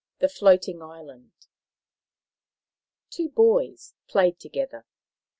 THE FLOATING ISLAND Two boys played together.